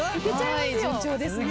順調ですね。